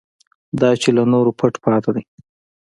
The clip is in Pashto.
دا چې له نورو پټ پاتې دی.